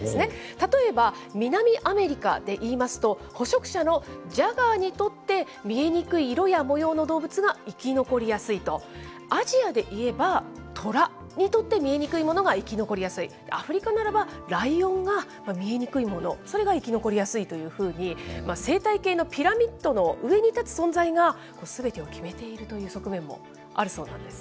例えば、南アメリカでいいますと、捕食者のジャガーにとって見えにくい色や模様の動物が生き残りやすいと、アジアでいえば、トラにとって見えにくいものが生き残りやすい、アフリカならば、ライオンが見えにくいもの、それが生き残りやすいというふうに、生態系のピラミッドの上に立つ存在が、すべてを決めているという側面もあるそうなんです。